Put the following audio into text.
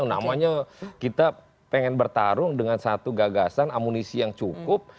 namanya kita pengen bertarung dengan satu gagasan amunisi yang cukup